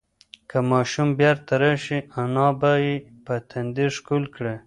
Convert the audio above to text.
که ماشوم بیرته راشي، انا به یې په تندي ښکل کړي.